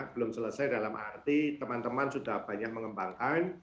belum selesai dalam arti teman teman sudah banyak mengembangkan